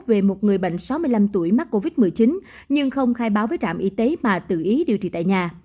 về một người bệnh sáu mươi năm tuổi mắc covid một mươi chín nhưng không khai báo với trạm y tế mà tự ý điều trị tại nhà